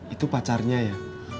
itu pacarnya ya